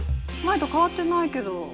前と変わってないけど。